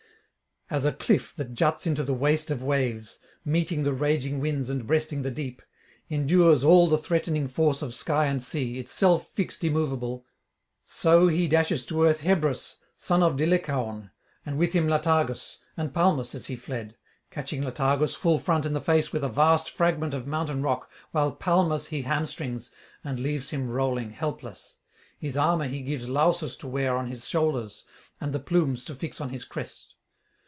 As a cliff that juts into the waste of waves, meeting the raging winds and breasting the deep, endures all the threatening force of sky and sea, itself fixed immovable, so he dashes to earth Hebrus son of Dolichaon, and with him Latagus, and Palmus as he fled; catching Latagus full front in the face with a vast fragment of mountain rock, while Palmus he hamstrings, and leaves him rolling helpless; his armour he gives Lausus to wear on his shoulders, and the plumes to fix on his crest.